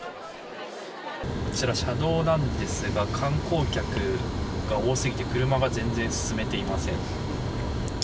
こちら車道なんですが観光客が多すぎて車が全然進めていません。